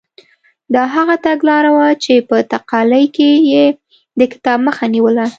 دا هغه تګلاره وه چې په تقالي کې یې د کتاب مخه نیوله.